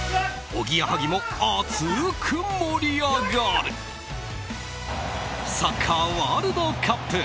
おぎやはぎも熱く盛り上がるサッカーワールドカップ！